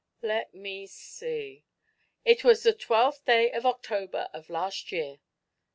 "Let me see. It was the twelfth day of October, of last year."